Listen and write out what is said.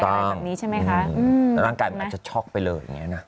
อะไรแบบนี้ใช่ไหมคะอือตัวเรื่องร่างกายมันอาจจะช็อกไปเลยอย่างเงี้ยน่ะ